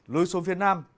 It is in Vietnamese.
lui xuống phía nam